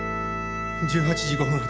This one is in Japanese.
１８時５分発